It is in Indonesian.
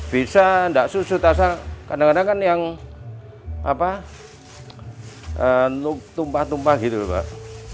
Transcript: bisa tidak susu tasa kadang kadang kan yang tumpah tumpah gitu pak